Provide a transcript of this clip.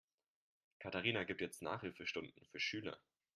Katharina gibt jetzt Nachhilfestunden für Schüler.